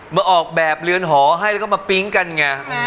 ออกแบบเรือนหอให้แล้วก็มาปิ๊งกันไง